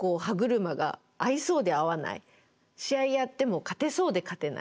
試合やっても勝てそうで勝てない。